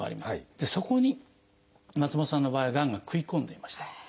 そこに松本さんの場合はがんが食い込んでいました。